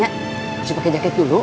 masih pakai jaket dulu